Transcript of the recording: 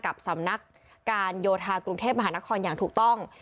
กับสำนักการโยธากรุงเทพมหานครอย่างถูกต้อง